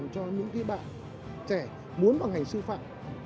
khi bạn trẻ muốn bằng hành sư phạm